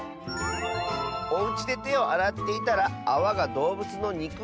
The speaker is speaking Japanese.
「おうちでてをあらっていたらあわがどうぶつのにく